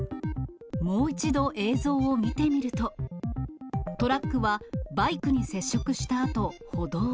もう一度、映像を見てみると、トラックはバイクに接触したあと歩道へ。